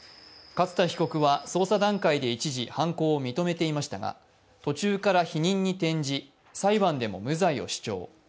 勝田被告は捜査段階で一時、犯行を認めていましたが途中から否認に転じ、裁判でも無罪を主張。